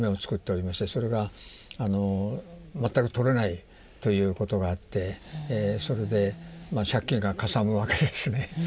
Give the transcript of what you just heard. それが全くとれないということがあってそれで借金がかさむわけですね。